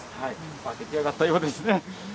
今、出来上がったようですね。